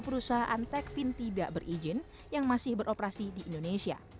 perusahaan techfin tidak berizin yang masih beroperasi di indonesia